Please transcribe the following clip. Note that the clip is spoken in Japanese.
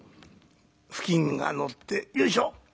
布巾がのってよいしょ。